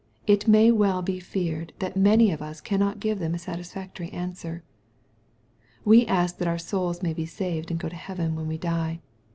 It may well be feared that many of us cannot give them a satisfactory answer. We ask that our souls may be saved and go to heaven, when we die.